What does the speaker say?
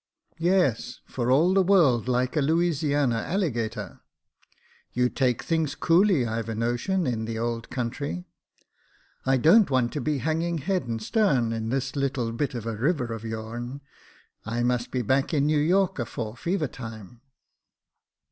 " Yes, for all the world like a Louisiana alligator. You take things coolly, I've a notion, in the old country. I don't want to be hanging head and starn in this little bit of a river of your'n. I must be back to New York afore fever time."